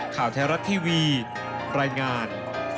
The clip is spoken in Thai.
ข่าวไทยรัฐทีวีรายงาน